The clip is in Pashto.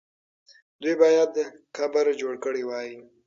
دوی باید قبر جوړ کړی وای.